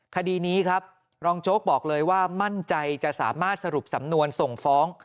คดีนี้ครับรองโจ๊กบอกเลยว่ามั่นใจจะสามารถสรุปสำนวนส่งฟ้อง